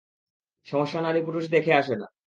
সমস্যা নারী-পুরুষ দেখে আসে না।